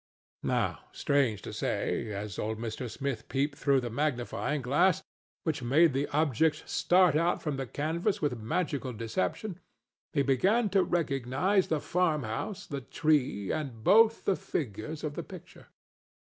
Now, strange to say, as old Mr. Smith peeped through the magnifying glass, which made the objects start out from the canvas with magical deception, he began to recognize the farmhouse, the tree and both the figures of the picture.